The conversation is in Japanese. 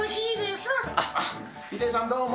ヒデさん、どうも。